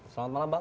selamat malam bang